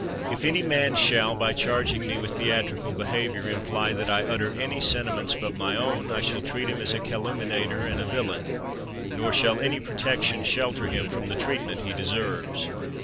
If any man shall, by charging me with theat rical behavior, imply that I utter any sentiments but my own, I shall treat him as a calumniator and a villain — nor shall any protection shelter him from the treatment he deserves.